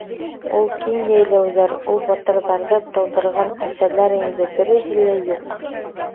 Ул киң йәйләүҙәр, ул батырҙарҙы тыуҙырған әсәләр инде береһе лә юҡ.